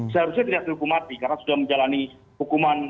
seharusnya tidak dihukum mati karena sudah menjalani hukuman